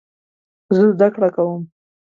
زه زده کړه کوم